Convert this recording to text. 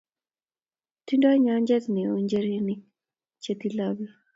ting'doi nyanjet neoo nchirenik che tilapi